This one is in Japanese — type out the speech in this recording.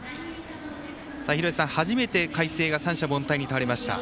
初めて海星が三者凡退に倒れました。